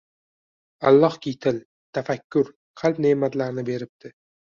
Allohki til, tafakkur, qalb neʼmatlarini beribdi